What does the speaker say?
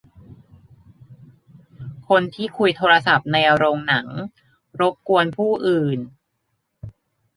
คนที่คุยโทรศัพท์ในโรงหนังรบกวนผู้อื่น